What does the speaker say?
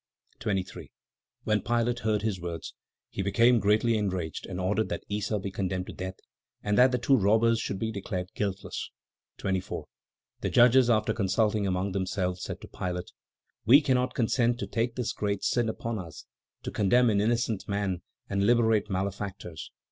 23. When Pilate heard his words, he became greatly enraged and ordered that Issa be condemned to death, and that the two robbers should be declared guiltless. 24. The judges, after consulting among themselves, said to Pilate: "We cannot consent to take this great sin upon us, to condemn an innocent man and liberate malefactors.